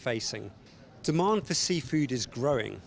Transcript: pembelian untuk makanan perikanan berkembang